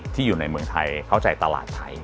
อยู่ในเมืองไทยเข้าใจตลาดไทย